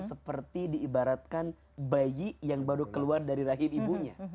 seperti diibaratkan bayi yang baru keluar dari rahim ibunya